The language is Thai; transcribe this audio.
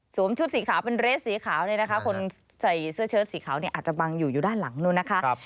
ชุดสีขาวเป็นเรสสีขาวเนี่ยนะคะคนใส่เสื้อเชิดสีขาวเนี่ยอาจจะบังอยู่อยู่ด้านหลังนู้นนะคะ